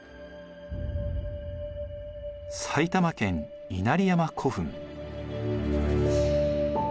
埼玉県稲荷山古墳。